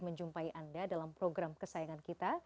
menjumpai anda dalam program kesayangan kita